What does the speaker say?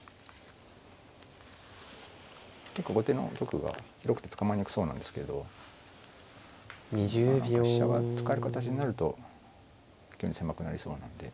結構後手の玉が広くて捕まえにくそうなんですけど何か飛車が使える形になると急に狭くなりそうなんで。